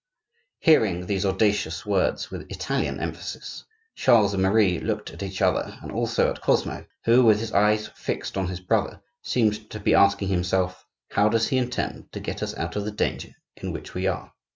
Hearing these audacious words, with Italian emphasis, Charles and Marie looked at each other, and also at Cosmo, who, with his eyes fixed on his brother, seemed to be asking himself: "How does he intend to get us out of the danger in which we are?"